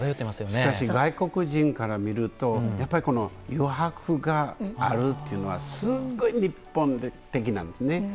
しかし外国人から見るとやっぱり余白があるっていうのはすっごい日本的なんですね。